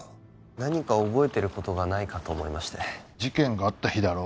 何か覚えてることがないかと思いまして事件があった日だろ？